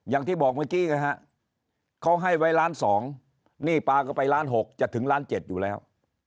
อย่างที่บอกเมื่อกี้ไงฮะเขาให้ไว้ล้าน๒หนี้ปลาก็ไปล้าน๖จะถึงล้าน๗อยู่แล้ว